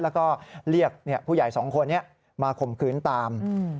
และเรียกผู้ใหญ่๒คนมาข่มคืนตาม